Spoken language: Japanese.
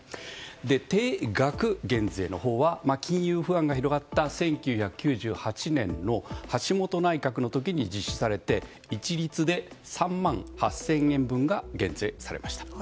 定額減税のほうは金融不安が広がった１９９８年の橋本内閣のころに実施されて一律で３万８０００円分が減税されました。